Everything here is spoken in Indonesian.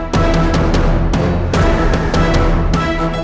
karena mereka mortal